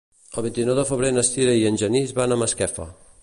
El vint-i-nou de febrer na Sira i en Genís van a Masquefa.